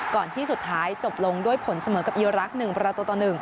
ก่อนที่สุดท้ายจบลงด้วยผลเสมอกับอีรักษ์๑ประตูต่อ๑